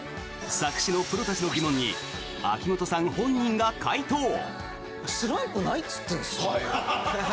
作詞のプロたちの疑問に秋元さん本人が回答。